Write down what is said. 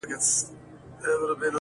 پر پاچا باندي د سر تر سترگو گران وه!.